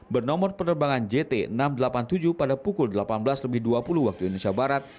bernomor penerbangan jt enam ratus delapan puluh tujuh pada pukul delapan belas lebih dua puluh waktu indonesia barat